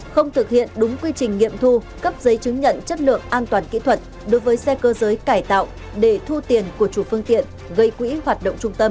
không thực hiện đúng quy trình nghiệm thu cấp giấy chứng nhận chất lượng an toàn kỹ thuật đối với xe cơ giới cải tạo để thu tiền của chủ phương tiện gây quỹ hoạt động trung tâm